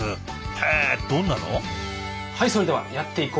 へえどんなの？